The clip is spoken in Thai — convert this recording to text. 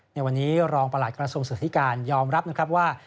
ในวันนี้รองประหลัดกระทรวงศึกษาธิการยอมรับนะครับว่า